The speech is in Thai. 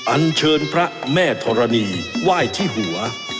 อันเชิญพระแม่ธรณีไหว้ที่หัว